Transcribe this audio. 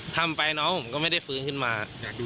ทำไปน้องผมก็ไม่ได้ฟื้นขึ้นมา